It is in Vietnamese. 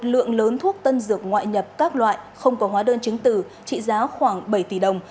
lượng lớn thuốc tân dược ngoại nhập các loại không có hóa đơn chứng tử trị giá khoảng bảy tỷ đồng